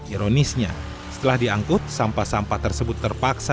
ironisnya setelah diangkut sampah sampah tersebut terpaksa